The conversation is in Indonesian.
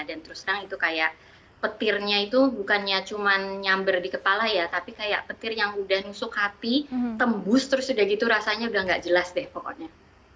dan terus terang itu kayak petirnya itu bukannya cuma nyamber di kepala ya tapi kayak petir yang udah nusuk hati tembus terus udah gitu rasanya udah gak jelas deh pokoknya